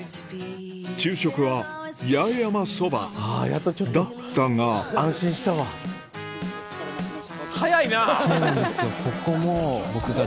昼食は八重山そばだったが早いな！